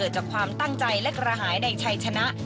ใจและกระหายในชัยชนะ